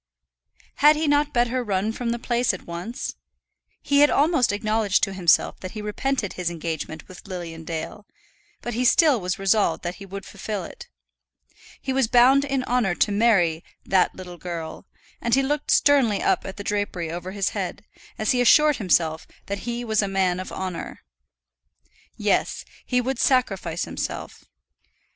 Had he not better run from the place at once? He had almost acknowledged to himself that he repented his engagement with Lilian Dale, but he still was resolved that he would fulfil it. He was bound in honour to marry "that little girl," and he looked sternly up at the drapery over his head, as he assured himself that he was a man of honour. Yes; he would sacrifice himself.